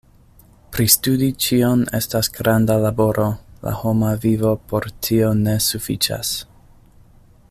Pristudi ĉion estas granda laboro, la homa vivo por tio ne sufiĉas.